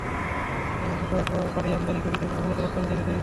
অন্যদিকে আমরা সেসব গাড়িই আমদানি করি, যেগুলো মূলত রপ্তানির জন্যই তৈরি হয়।